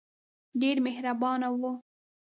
ډېر مهربانه وو.